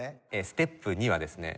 ステップ２はですね